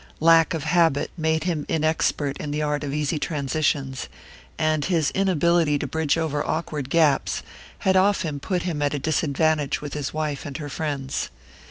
Lack of habit made him inexpert in the art of easy transitions, and his inability to bridge over awkward gaps had often put him at a disadvantage with his wife and her friends.